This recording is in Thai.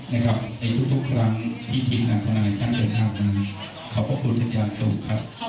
ในกับทุกครั้งที่ถึงหลังขนาดนี้ขอบคุณทุกครั้งสูงครับ